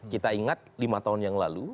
kita ingat lima tahun yang lalu